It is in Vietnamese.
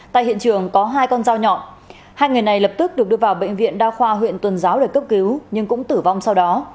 tại hiện trường có hai con dao nhọn hai người này lập tức được đưa vào bệnh viện đa khoa huyện tuần giáo để cấp cứu nhưng cũng tử vong sau đó